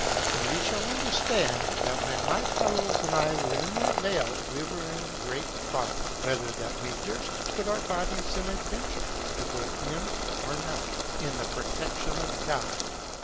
And ye shall understand, that when my fellows and I were in that vale, we were in great thought, whether that we durst put our bodies in adventure, to go in or not, in the protection of God.